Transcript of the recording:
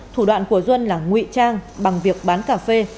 thủ đoạn của duân là nguy trang bằng việc bán cà phê